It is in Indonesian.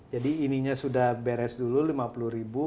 jadi ininya sudah beres dulu lima puluh ribu